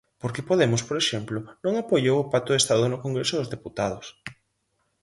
Porque Podemos, por exemplo, non apoiou o pacto de Estado no Congreso dos Deputados.